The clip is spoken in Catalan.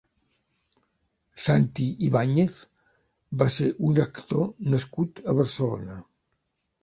Santi Ibáñez va ser un actor nascut a Barcelona.